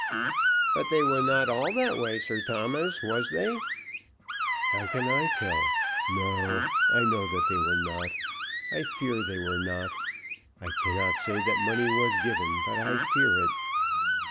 "But they were not all that way, Sir Thomas; was they?" "How can I tell? No; I know that they were not. I fear they were not. I cannot say that money was given, but I fear it."